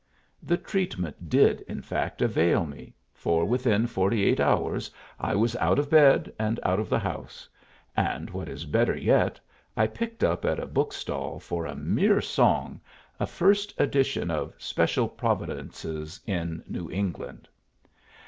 The treatment did, in fact, avail me, for within forty eight hours I was out of bed, and out of the house; and, what is better yet, I picked up at a bookstall, for a mere song, a first edition of "Special Providences in New England"!